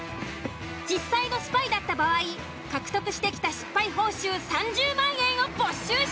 実際のスパイだった場合獲得してきた失敗報酬３０万円を没収します。